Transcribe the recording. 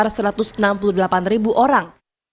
sekitar satu ratus enam puluh delapan ribu orang